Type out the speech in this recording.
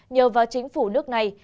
nhờ vào chính phủ nước này